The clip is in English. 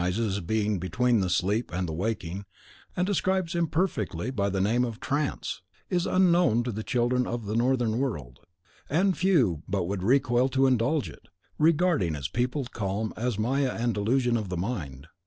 rightly recognises as being between the sleep and the waking, and describes imperfectly by the name of TRANCE, is unknown to the children of the Northern world; and few but would recoil to indulge it, regarding its peopled calm as maya and delusion of the mind.